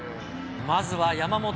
まずは山本。